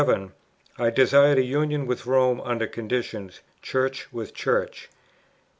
I desired a union with Rome under conditions, Church with Church; 8.